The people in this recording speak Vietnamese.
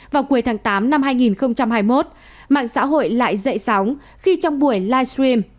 vào cuối tháng tám năm hai nghìn hai mươi một mạng xã hội lại dậy sóng khi trong buổi livestream